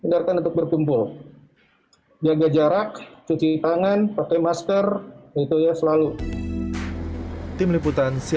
dan untuk berkumpul jaga jarak cuci tangan pakai masker itu ya selalu